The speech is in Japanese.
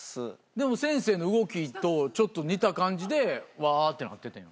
でも先生の動きとちょっと似た感じでワってなっててん。